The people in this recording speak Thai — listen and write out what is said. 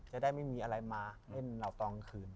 จะได้ไม่มีอะไรมาเล่นเราตอนกลางคืน